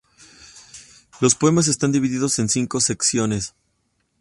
Los poemas están divididos en cinco secciones.